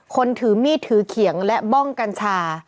ถือมีดถือเขียงและบ้องกัญชา